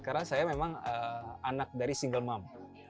karena saya memang anak dari single mom